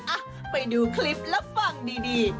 อ่ะไปดูคลิปแล้วฟังดี